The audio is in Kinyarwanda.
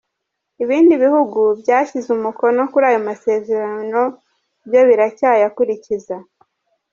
Ibindi bihugu byashyize umukono kuri ayo masezerano, byo biracyayakurikiza.